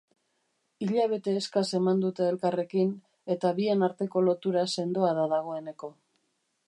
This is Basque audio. Hilabete eskas eman dute elkarrekin eta bien arteko lotura sendoa da dagoeneko.